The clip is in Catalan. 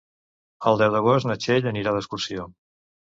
El deu d'agost na Txell anirà d'excursió.